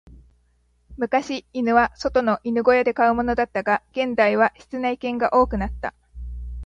昔、犬は外の犬小屋で飼うものだったが、現代は室内犬が多くなった。